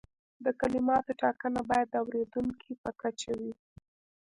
د کلماتو ټاکنه باید د اوریدونکي په کچه وي.